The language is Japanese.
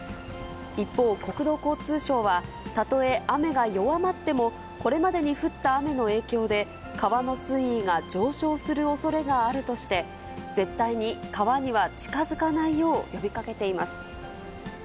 一方、国土交通省は、たとえ雨が弱まっても、これまでに降った雨の影響で、川の水位が上昇するおそれがあるとして、絶対に川には近づかないよう呼びかけています。